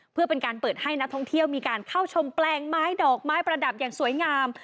เพื่อเป็นการเปิดให้นักท่องเที่ยวมีการเข้าชมแปลงไม้ดอกไม้ประดับอย่างสวยงาม